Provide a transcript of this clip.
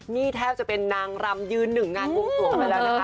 นี่แทบจะเป็นนางรำยืนหนึ่งงานวงสวงไปแล้วนะคะ